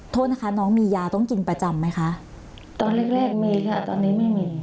โทษนะคะน้องมียาต้องกินประจำไหมคะตอนแรกแรกมีค่ะตอนนี้ไม่มี